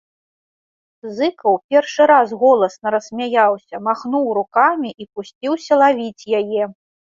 Зыкаў першы раз голасна рассмяяўся, махнуў рукамі і пусціўся лавіць яе.